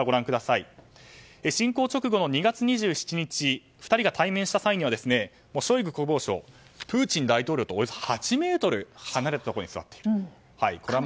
侵攻直後の２月２７日に２人が対面した際にはショイグ国防相プーチン大統領とおよそ８ｍ離れたところに座っている。